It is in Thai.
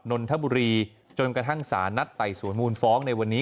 นนทบุรีจนกระทั่งสารนัดไต่สวนมูลฟ้องในวันนี้